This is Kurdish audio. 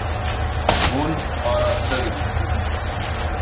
Hûn araste dibin.